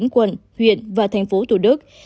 quận huyện và tp hcm